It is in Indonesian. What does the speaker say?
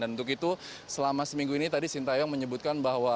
dan untuk itu selama seminggu ini tadi shin taeyong menyebutkan bahwa